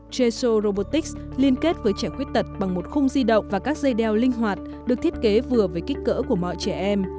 traso robotics liên kết với trẻ khuyết tật bằng một khung di động và các dây đeo linh hoạt được thiết kế vừa với kích cỡ của mọi trẻ em